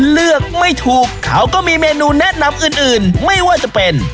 เลือกไม่ถูกเขาก็มีเมนูแนะนำอื่นไม่ว่าจะเป็น